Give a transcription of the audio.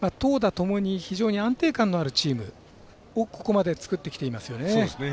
ともに、非常に安定感のあるチームをここまで作ってきていますよね。